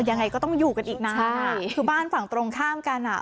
ยังไงก็ต้องอยู่กันอีกนะใช่คือบ้านฝั่งตรงข้ามกันอ่ะ